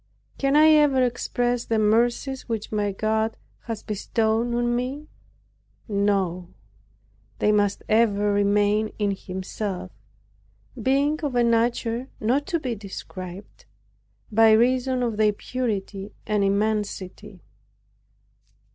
Can I ever express the mercies which my God has bestowed on me? No; they must ever remain in Himself, being of a nature not to be described, by reason of their purity and immensity.